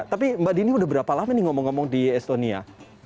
tapi mbak dini udah berapa lama nih ngomong ngomong di estonia